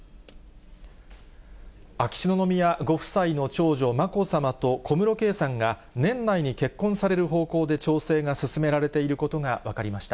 秋篠宮ご夫妻の長女、まこさまと小室圭さんが、年内に結婚される方向で調整が進められていることが分かりました。